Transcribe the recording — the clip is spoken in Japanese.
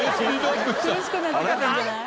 苦しくなってきたんじゃない？